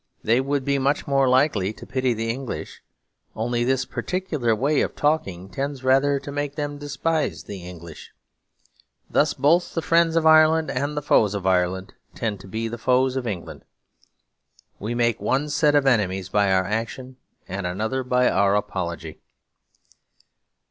They would be much more likely to pity the English; only this particular way of talking tends rather to make them despise the English. Thus both the friends of Ireland and the foes of Ireland tend to be the foes of England. We make one set of enemies by our action, and another by our apology.